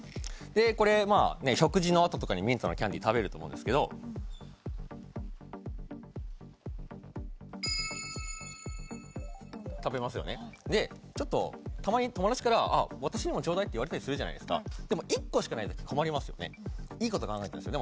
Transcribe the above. これまあ食事のあととかにミントのキャンディー食べると思うんですけど食べますよねでちょっとたまに友達から「私にもちょうだい」って言われたりするじゃないですかでも１個しかない時困りますよねいいこと考えたんですよ